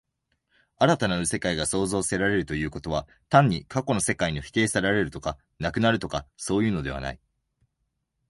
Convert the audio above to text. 新たなる世界が創造せられるということは、単に過去の世界が否定せられるとか、なくなるとかいうのではない。